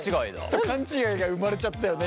勘違いが生まれちゃったよね